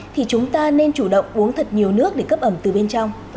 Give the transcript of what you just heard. thì chúng ta nên chủ động uống thật nhiều nước để cấp ẩm từ bên trong